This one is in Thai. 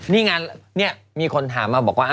นี่ไงนี่มีคนถามมาบอกว่า